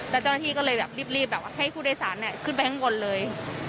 แล้วเจ้าหน้าที่ก็เลยแบบรีบแบบว่าให้ผู้โดยสารขึ้นไปข้างบนเลย